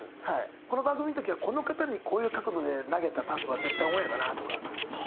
この番組の時はこの方にこういう角度で投げたパスは絶対オンエアだなとか。